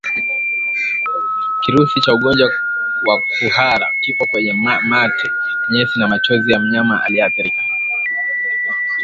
Kirusi cha ugonjwa wakuhara kipo kwenye mate kinyesi na machozi ya mnyama aliyeathirika